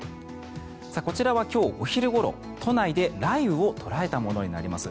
こちらは今日お昼ごろ、都内で雷雨を捉えたものになります。